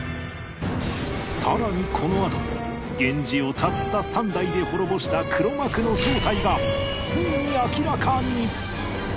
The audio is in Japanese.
さらにこのあと源氏をたった３代で滅ぼした黒幕の正体がついに明らかに！